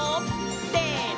せの！